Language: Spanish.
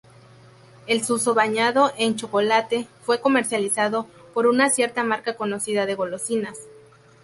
El suso bañado en chocolate fue comercializado por una cierta marca conocida de golosinas.